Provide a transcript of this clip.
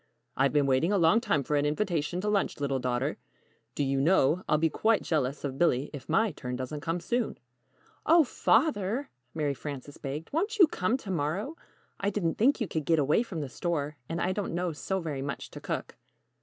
"I've been waiting a long time for an invitation to lunch, little daughter. Do you know, I'll be quite jealous of Billy if my turn doesn't come soon!" "Oh, Father," Mary Frances begged, "won't you come to morrow? I didn't think you could get away from the store, and I don't know so very much to cook."